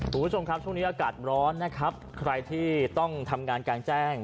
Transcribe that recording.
คุณผู้ชมครับช่วงนี้อากาศร้อนนะครับใครที่ต้องทำงานกลางแจ้ง